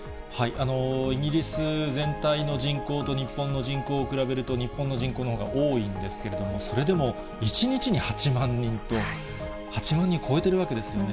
イギリス全体の人口と日本の人口を比べると日本の人口のほうが多いんですけれども、それでも１日に８万人と、８万人を超えてるわけですよね。